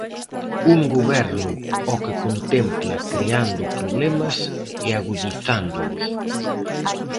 Un Goberno ao que contempla creando problemas e agudizándoos.